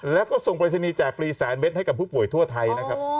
แล้วก็ส่งปริศนีย์แจกฟรีแสนเม็ดให้กับผู้ป่วยทั่วไทยนะครับ